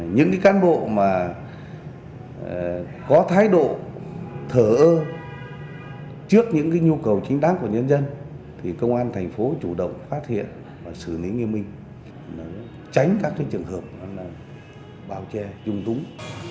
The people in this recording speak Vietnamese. những cán bộ mà có thái độ thở ơ trước những nhu cầu chính đáng của nhân dân thì công an thành phố chủ động phát hiện và xử lý nghiêm minh tránh các trường hợp bào che dung túng